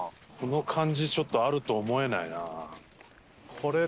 この感じちょっとあると思えないな。